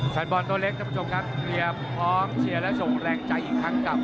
แฟนบอลตัวเล็กท่านผู้ชมครับเตรียมพร้อมเชียร์และส่งแรงใจอีกครั้งกับ